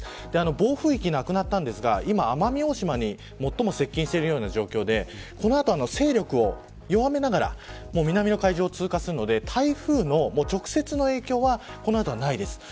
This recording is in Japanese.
暴風域はなくなったんですが今、奄美大島に最も接近している状況でこの後、勢力を弱めながら南の海上を通過するので台風の直接の影響はこの後はないです。